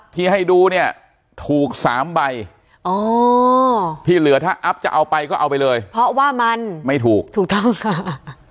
ที่ให้ดูเนี่ยถูกสามใบอ๋อที่เหลือถ้าอัพจะเอาไปก็เอาไปเลยเพราะว่ามันไม่ถูกถูกต้องค่ะ